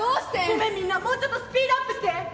ごめんみんなもうちょっとスピードアップして。